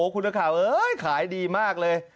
คุณข้าวขายดีมากเลย